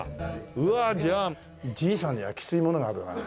うわっじゃあじいさんにはきついものがあるなあ。